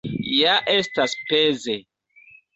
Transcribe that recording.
Ja estas peze!